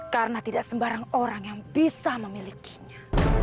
karena tidak sembarang orang yang bisa memilikinya